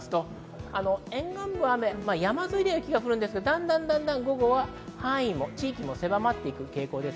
沿岸部は雨、山沿いでは雪が降りますが、だんだん午後は範囲も地域もせばまっていく傾向です。